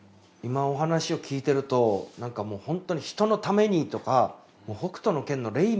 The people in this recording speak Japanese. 今お話を聞いてるとなんかもうホントに人のためにとか。